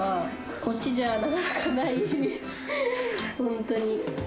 こっちじゃなかなかない、本当に。